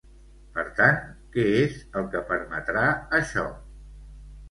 Per tant, què és el que permetrà això?